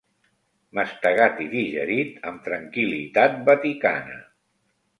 Mastegat i digerit amb tranquil·litat vaticana.